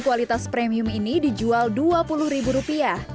kualitas premium ini dijual dua puluh ribu rupiah